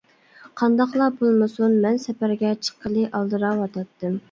قانداقلا بولمىسۇن، مەن سەپەرگە چىققىلى ئالدىراۋاتاتتىم.